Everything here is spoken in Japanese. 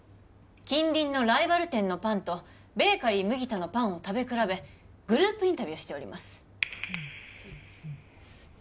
近隣のライバル店のパンとベーカリー麦田のパンを食べ比べグループインタビューしております